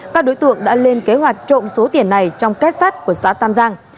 các đối tượng đã lên kế hoạch trộm số tiền này trong cách sát của xã tam giang